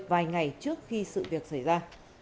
vài ngày trước khi sự việc xảy ra